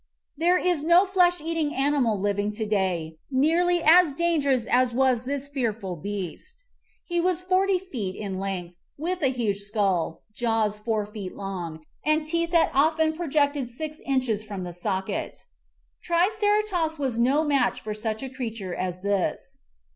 There is no flesh eating animal living to day nearly as dangerous as was this fearful beast. He was forty feet in length, with a huge skull, jaws four feet long, and teeth that often pro jected six inches from the socket. Triceratops was no match for such a creature as this.